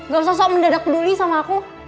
gak usah sok mendadak peduli sama aku